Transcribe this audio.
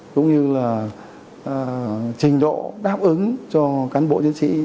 cũng như là trình độ đáp ứng cho cán bộ chiến sĩ